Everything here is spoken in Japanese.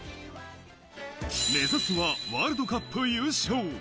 目指すはワールドカップ優勝。